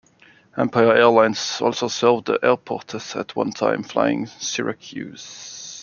Empire Airlines also served the airport at one time, flying to Syracuse.